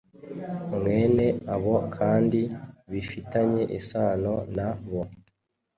Mwene abo kandi bifitanye isano na Bo